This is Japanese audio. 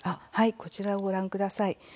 こちらをご覧ください。